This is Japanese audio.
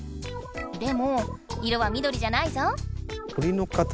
でも色は緑じゃないぞ！